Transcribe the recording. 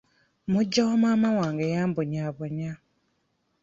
Muggya wa maama wange yambonyaabonya.